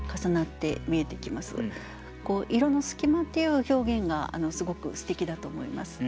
「彩の隙間」っていう表現がすごくすてきだと思います。